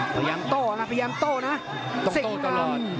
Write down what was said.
พยายามโตนะพยายามโตนะสิงห์ดำ